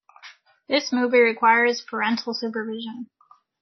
This movie requires parental supervision.